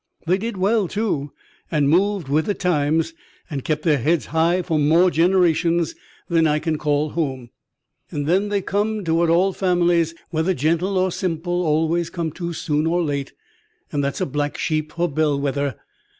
They did well, too, and moved with the times, and kept their heads high for more generations than I can call home; and then they comed to what all families, whether gentle or simple, always come to soon or late. And that's a black sheep for bell wether.